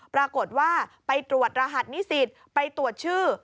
ปรากฏว่าไปตรวจรหัสนิสิตไปตรวจชื่อ